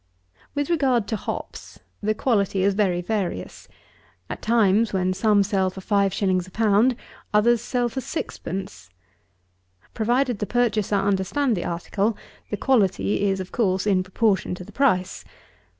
39. With regard to hops, the quality is very various. At times when some sell for 5_s._ a pound, others sell for sixpence. Provided the purchaser understand the article, the quality is, of course, in proportion to the price.